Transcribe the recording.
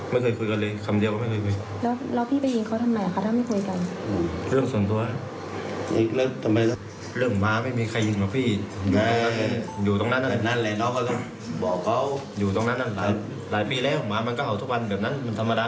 บอกเขาอยู่ตรงนั้นหลายปีแล้วหมามันก้าวเห่าทุกวันเหมือนนั้นมันธรรมดา